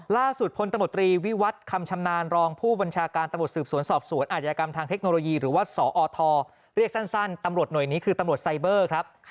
พลตมตรีวิวัตรคำชำนาญรองผู้บัญชาการตำรวจสืบสวนสอบสวนอาจยากรรมทางเทคโนโลยีหรือว่าสอทเรียกสั้นตำรวจหน่วยนี้คือตำรวจไซเบอร์ครับ